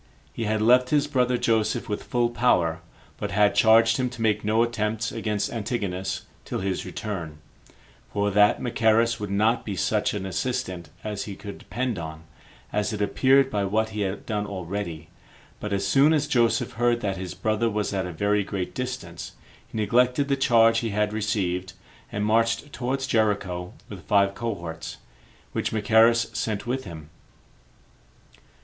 He had left his brother Joseph with full power, but had charged him to make no attempts against Antigonus till his return; for that Machaerus would not be such an assistant as he could depend on, as it appeared by what he had done already; but as soon as Joseph heard that his brother was at a very great distance, he neglected the charge he had received, and marched towards Jericho with five cohorts, which Machaerus sent with him.